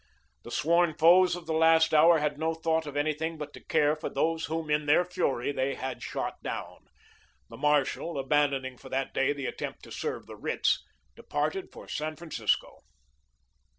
The sworn foes of the last hour had no thought of anything but to care for those whom, in their fury, they had shot down. The marshal, abandoning for that day the attempt to serve the writs, departed for San Francisco.